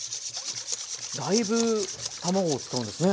だいぶ卵を使うんですね。